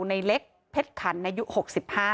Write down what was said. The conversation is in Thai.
ในเล็กเพชรขันอายุ๖๕